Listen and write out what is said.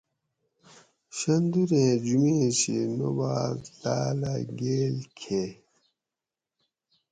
شندورے جمیت شی نوبات لالہ گیل گھئیگ